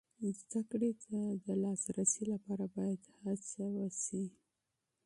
زده کړې ته د لاسرسي لپاره باید هڅه وسي.